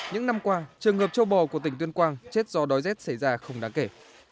những năm qua trường hợp châu bò của tỉnh tuyên quang chết do đói rét xảy ra không đáng kể